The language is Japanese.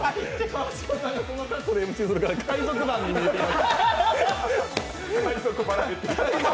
川島さんがそんな格好でＭＣするから海賊団に見えてきました。